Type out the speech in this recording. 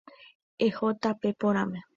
Eho tape porãre.